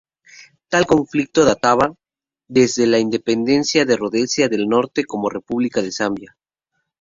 Tal conflicto databa desde la independencia de Rodesia del Norte como República de Zambia.